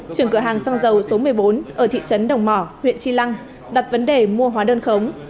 trưởng cửa hàng xăng dầu số một mươi bốn ở thị trấn đồng mỏ huyện tri lăng đặt vấn đề mua hóa đơn khống